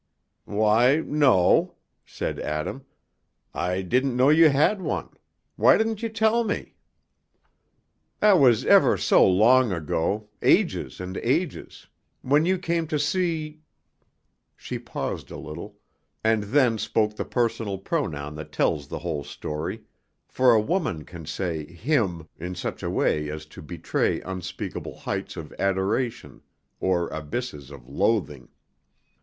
"Why, no," said Adam, "I didn't know you had one; why didn't you tell me?" "That was ever so long ago, ages and ages, when you came to see " She paused a little, and then spoke the personal pronoun that tells the whole story, for a woman can say "him" in such a way as to betray unspeakable heights of adoration or abysses of loathing.